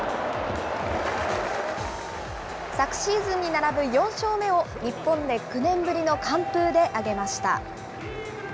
昨シーズンに並ぶ４勝目を日本で９年ぶりの完封で挙げました。